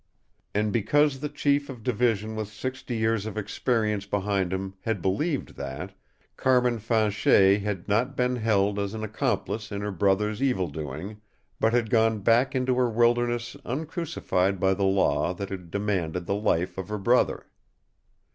And because the Chief of Division with sixty years of experience behind him, had believed that, Carmin Fanchet had not been held as an accomplice in her brother's evildoing, but had gone back into her wilderness uncrucified by the law that had demanded the life of her brother.